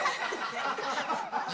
何？